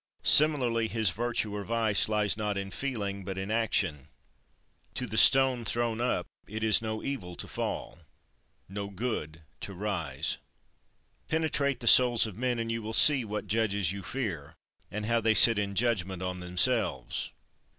Similarly his virtue or his vice lies not in feeling but in action. 17. To the stone thrown up it is no evil to fall; no good to rise. 18. Penetrate the souls of men, and you will see what judges you fear, and how they sit in judgment on themselves.